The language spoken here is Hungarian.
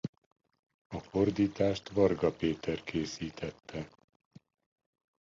A fordítást Varga Péter készítette.